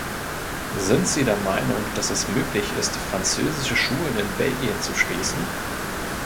Sind Sie der Meinung, dass es möglich ist, französische Schulen in Belgien zu schließen?